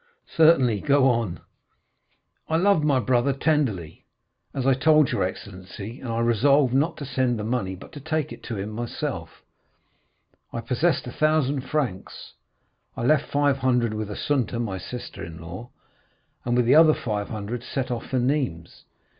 "Certainly; go on." "I loved my brother tenderly, as I told your excellency, and I resolved not to send the money, but to take it to him myself. I possessed a thousand francs. I left five hundred with Assunta, my sister in law, and with the other five hundred I set off for Nîmes.